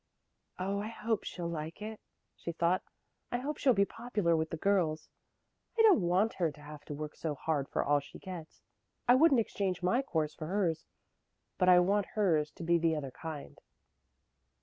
"Oh, I hope she'll like it!" she thought. "I hope she'll be popular with the girls. I don't want her to have to work so hard for all she gets. I wouldn't exchange my course for hers, but I want hers to be the other kind."